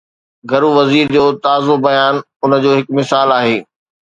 گهرو وزير جو تازو بيان ان جو هڪ مثال آهي.